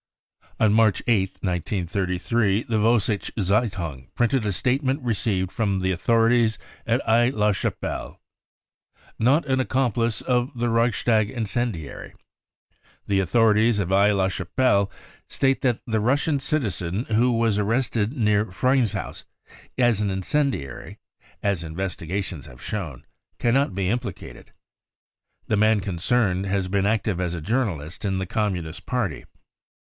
On March 8th, 1933, the Vossichf £eitung printed a state ment received from the authorities at Aix la Chapelle :" Not an accomplice of the Reichstag incendiary . The authori ties at Aix la Chapelle state that the Russian citizen who was arrested near Fringshaus as an incendiary, as investigations have shown, cannot be implicated. The man concerned has been active as a journalist in the Communist Party.